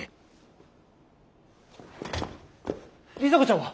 里紗子ちゃんは？